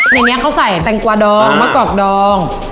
ในนี้เค้าใส่แตงกว่าดองมะกรอกดอง